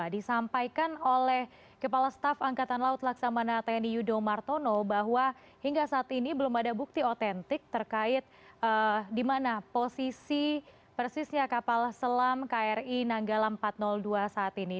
disampaikan oleh kepala staf angkatan laut laksamana tni yudo martono bahwa hingga saat ini belum ada bukti otentik terkait di mana posisi persisnya kapal selam kri nanggala empat ratus dua saat ini